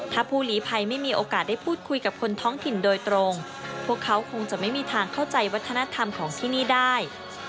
ถ้าผู้หลีภัยไม่มีโอกาสได้พูดคุยกับคนท้องถิ่นโดยตรงพวกเขาคงจะไม่มีทางเข้าใจวัฒนธรรมของที่นี่ได้